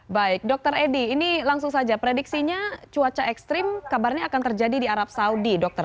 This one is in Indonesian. baik dokter edi ini langsung saja prediksinya cuaca ekstrim kabarnya akan terjadi di arab saudi dokter